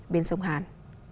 bên sông hàn